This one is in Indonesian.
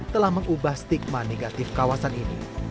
telah mengubah stigma negatif kawasan ini